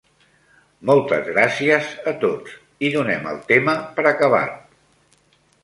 Moltes gràcies a tots, i donem el tema per acabat.